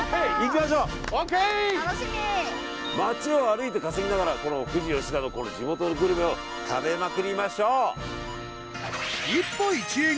楽しみ町を歩いて稼ぎながらこの富士吉田の地元のグルメを食べまくりましょう１歩１円